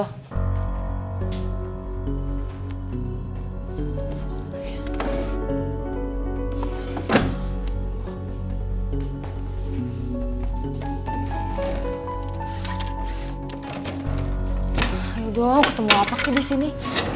ah yaudah mau ketemu apa sih di sini